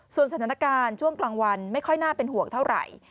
สถานการณ์ช่วงกลางวันไม่ค่อยน่าเป็นห่วงเท่าไหร่